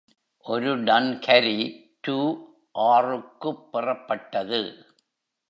ஒருடன்கரி ரூ ஆறு க்குப் பெறப்பட்டது.